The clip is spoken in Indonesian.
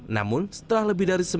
namun setelah lebih dari